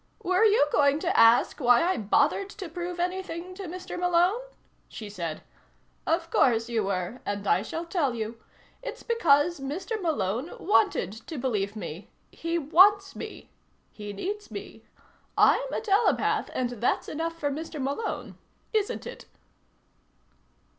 "Were you going to ask why I bothered to prove anything to Mr. Malone?" she said. "Of course you were, and I shall tell you. It's because Mr. Malone wanted to believe me. He wants me. He needs me. I'm a telepath, and that's enough for Mr. Malone. Isn't it?"